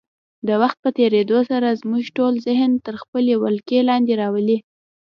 د وخت په تېرېدو سره زموږ ټول ذهن تر خپلې ولکې لاندې راولي.